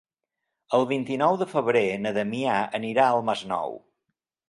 El vint-i-nou de febrer na Damià anirà al Masnou.